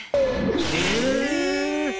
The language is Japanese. え！